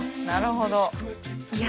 なるほど。